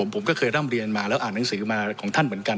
ผมก็เคยร่ำเรียนมาแล้วอ่านหนังสือมาของท่านเหมือนกัน